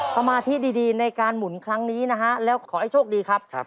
สมาธิดีในการหมุนครั้งนี้นะฮะแล้วขอให้โชคดีครับ